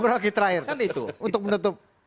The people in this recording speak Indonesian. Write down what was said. berapa lagi terakhir kan itu untuk menutup